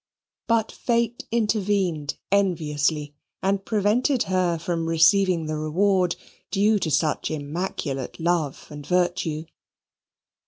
But Fate intervened enviously and prevented her from receiving the reward due to such immaculate love and virtue.